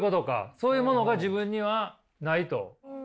そういうものが自分にはないと？